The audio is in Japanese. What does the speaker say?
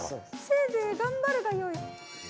せいぜいがんばるがよい。